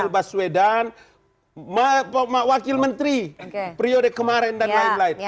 baswedan wakil menteri priyode kemarin dan lain lain